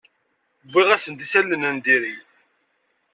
Wwiɣ-asen-d isalan n diri.